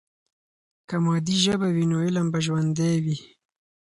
که مادي ژبه وي، نو علم به ژوندۍ وي.